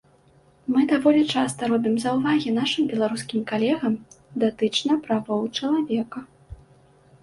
Мы даволі часта робім заўвагі нашым беларускім калегам датычна правоў чалавека.